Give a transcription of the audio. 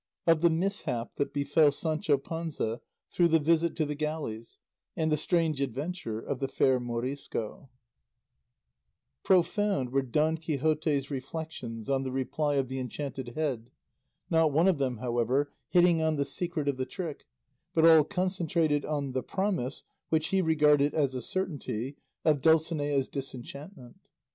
OF THE MISHAP THAT BEFELL SANCHO PANZA THROUGH THE VISIT TO THE GALLEYS, AND THE STRANGE ADVENTURE OF THE FAIR MORISCO Profound were Don Quixote's reflections on the reply of the enchanted head, not one of them, however, hitting on the secret of the trick, but all concentrated on the promise, which he regarded as a certainty, of Dulcinea's disenchantment.